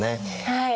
はい。